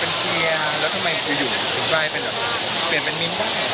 เป็นเชียร์แล้วทำไมคืออยู่ในสุดใจเป็นเปลี่ยนเป็นมิ้นต์บ้าง